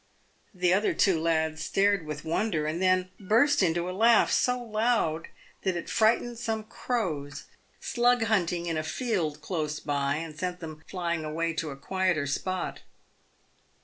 The other two lads stared with w r Onder, and then burst into a laugh so loud that it frightened some crows slug hunting in a field close by, and sent them flying away to a quieter spot.